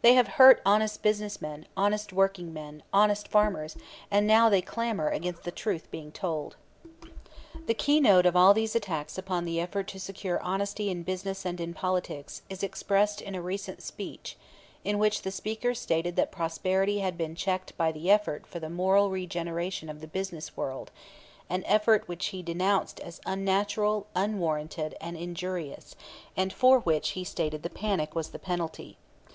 They have hurt honest business men, honest working men, honest farmers; and now they clamor against the truth being told. The keynote of all these attacks upon the effort to secure honesty in business and in politics, is expressed in a recent speech, in which the speaker stated that prosperity had been checked by the effort for the "moral regeneration of the business world," an effort which he denounced as "unnatural, unwarranted, and injurious" and for which he stated the panic was the penalty.